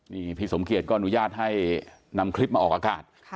นี่พี่สมเกียจก็อนุญาตให้นำคลิปมาออกอากาศ